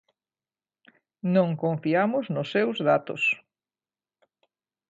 "Non confiamos nos seus datos".